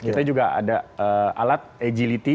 kita juga ada alat agility